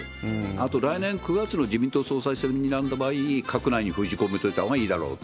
あと、来年９月の自民党総裁選をにらんだ場合、閣内に封じ込めといたほうがいいだろうと。